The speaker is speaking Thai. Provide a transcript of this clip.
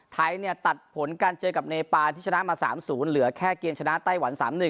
ไทยเนี่ยตัดผลการเจอกับเนปาที่ชนะมา๓๐เหลือแค่เกมชนะไต้หวัน๓๑